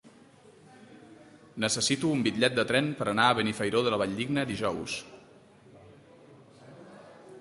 Necessito un bitllet de tren per anar a Benifairó de la Valldigna dijous.